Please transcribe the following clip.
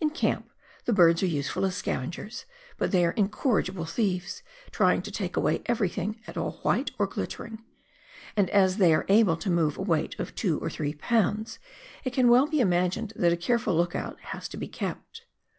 In camp the birds are useful as scavengers, but they are in corrigible thieves, trying to take away everything at all white or glittering ; and as they are able to move a weight of two or three pounds, it can well be imagined that a careful look out has to be kept.